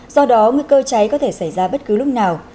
do đó nguy cơ cháy có thể xảy ra bất cứ lúc nào